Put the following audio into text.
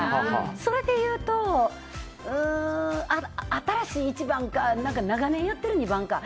それでいうと、新しい１番か長年やっている２番か。